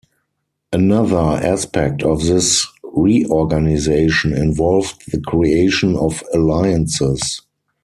Another aspect of this reorganization involved the creation of alliances.